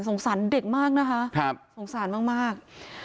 สงสารเด็กมากนะคะครับสงสารมากมาก